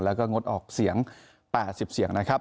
แล้วก็งดออกเสี่ยง๘๐เสียง